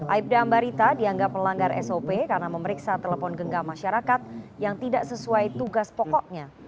aibda ambarita dianggap melanggar sop karena memeriksa telepon genggam masyarakat yang tidak sesuai tugas pokoknya